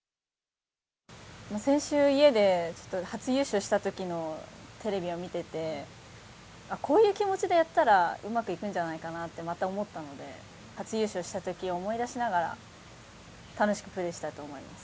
先週、家で、初優勝したときのテレビを見てて、あっ、こういう気持ちでやったら、うまくいくんじゃないかなってまた思ったので、初優勝したときを思い出しながら、楽しくプレーしたいと思います。